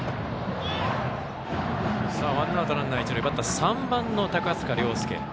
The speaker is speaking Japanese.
ワンアウトランナー、一塁でバッターは３番の高塚涼丞。